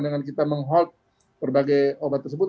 dengan kita menghold berbagai obat tersebut